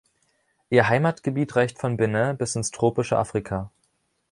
Ihr Heimatgebiet reicht von Benin bis ins tropische Afrika.